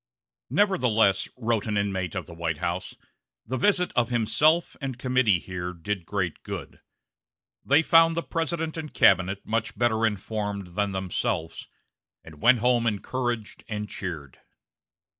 "Nevertheless," wrote an inmate of the White House, "the visit of himself and committee here did great good. They found the President and cabinet much better informed than themselves, and went home encouraged and cheered."